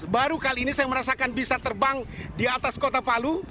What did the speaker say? baru kali ini saya merasakan bisa terbang di atas kota palu